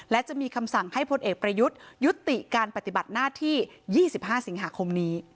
และจะมีคำสั่งให้พลเอกประยุทธ์ยุติการปฏิบัติหน้าที่๒๕สิงหาคมนี้